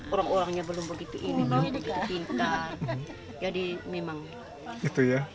orang orangnya belum begitu ini belum begitu pintar